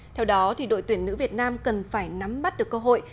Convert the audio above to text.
theo đó đội tuyển nữ việt nam cần phải nắm bắt được cơ hội